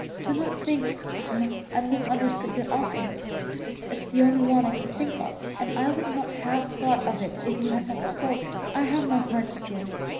Do not think I misunderstand your offer. It's the only one I could think of, and I would not have thought of it if you had not spoke. I have no heart to give.